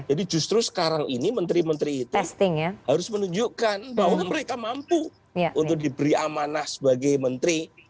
jadi justru sekarang ini menteri menteri itu harus menunjukkan bahwa mereka mampu untuk diberi amanah sebagai menteri